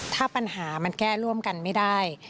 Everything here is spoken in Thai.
ถ้าปัญหามันแก้ร่วมกันไม่ได้